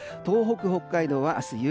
東北、北海道は明日